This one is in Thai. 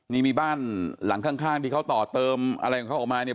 นี่มีบ้านหลังข้างที่เขาต่อเติมอะไรของเขาออกมาเนี่ย